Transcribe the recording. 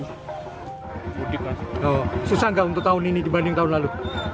pemudik mas susah gak untuk tahun ini dibanding tahun lalu